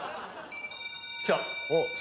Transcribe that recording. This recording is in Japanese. きた！